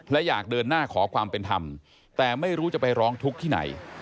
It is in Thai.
และอยากเดินหน้าขอความเป็นธรรมแต่ไม่รู้จะไปร้องทุกข์ที่ไหน